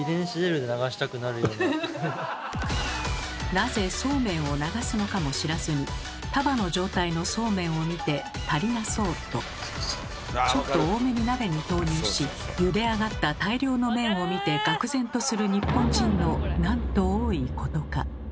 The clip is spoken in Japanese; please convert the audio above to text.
なぜそうめんを流すのかも知らずに束の状態のそうめんを見て「足りなそう」とちょっと多めに鍋に投入しゆで上がった大量の麺を見てがく然とする日本人のなんと多いことか。